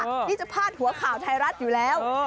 ที่จะพาดหัวข่าวไทยรัฐอยู่แล้ว